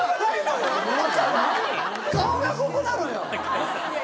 顔がここなのよ！